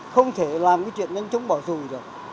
không thể làm cái chuyện đánh trúng bỏ rùi được